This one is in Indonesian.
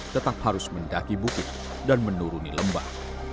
tetap harus mendaki bukit dan menuruni lembah